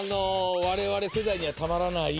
われわれ世代にはたまらない。